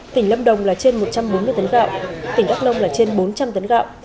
tỉnh lâm đồng là trên một trăm bốn mươi tấn gạo tỉnh đắk nông là trên bốn trăm linh tấn gạo